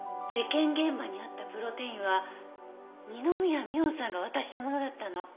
事件現場にあったプロテインは二宮美音さんが渡したものだったの。